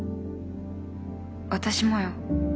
私もよ。